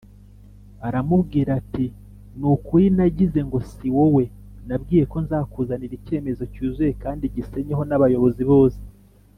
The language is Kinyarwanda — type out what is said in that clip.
aramubwira ati Ni ukuri nagize ngo siwowe nabwiye ko nzakuzanira icyemezo cyuzuye kandi gisinyeho n’abayobozi bose.